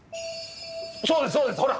そうですそうですほら！